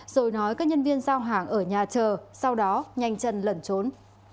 rồi nói các nhân viên giao hàng ở nhà chờ sau đó nhanh chân lẩn trốn